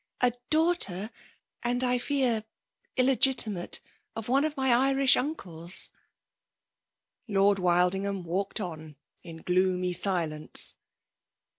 '*^A daughteif, — and, I fear, illegitimate,— of one of my Irish uncles." ' Lord Wlldingham walked on, in gloomy silence.